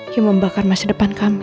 yang membakar masa depan kami